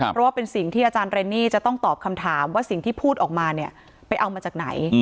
เพราะว่าเป็นสิ่งที่อาจารย์เรนนี่จะต้องตอบคำถามว่าสิ่งที่พูดออกมาเนี่ยไปเอามาจากไหน